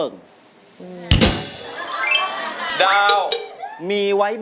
ร้องได้ให้ร้าน